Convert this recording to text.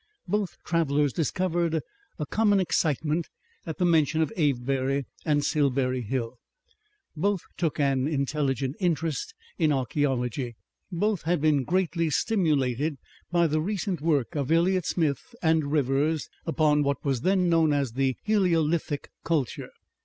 Both travellers discovered a common excitement at the mention of Avebury and Silbury Hill. Both took an intelligent interest in archaeology. Both had been greatly stimulated by the recent work of Elliot Smith and Rivers upon what was then known as the Heliolithic culture.